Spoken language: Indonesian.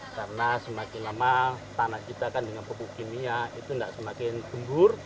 karena semakin lama tanah kita kan dengan popok kimia itu tidak semakin gembur